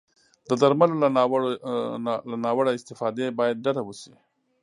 د درملو له ناوړه استفادې باید ډډه وشي.